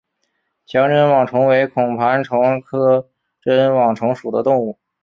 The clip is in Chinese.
强针网虫为孔盘虫科针网虫属的动物。